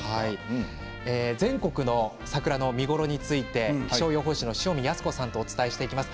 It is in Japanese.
全国の桜の見頃について気象予報士の塩見泰子さんとお伝えしていきます。